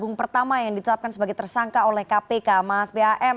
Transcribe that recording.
yang pertama yang ditetapkan sebagai tersangka oleh kpk mas bam